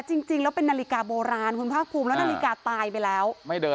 จริงแล้วเป็นนาฬิกาโบราณคุณภาคภูมิแล้วนาฬิกาตายไปแล้ว